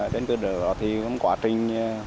trên cơ sở đó thì có quá trình